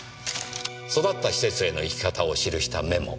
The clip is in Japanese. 育った施設への行き方を記したメモ。